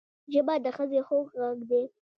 ژبه د ښځې خوږ غږ دی